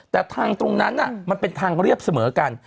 แต่ทางตรงนั้นมันเป็นทางเรียบเสมอกัน